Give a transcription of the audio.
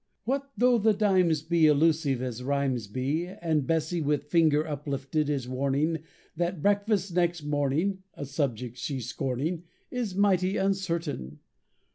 What though the dimes be Elusive as rhymes be, And Bessie, with finger Uplifted, is warning That breakfast next morning (A subject she's scorning) Is mighty uncertain!